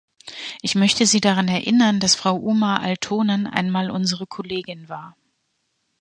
Ich möchte Sie daran erinnern, dass Frau Uma Aaltonen einmal unsere Kollegin war.